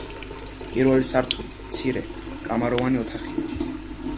პირველი სართული მცირე კამაროვანი ოთახია.